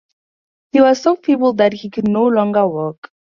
He was so feeble that he could no longer walk.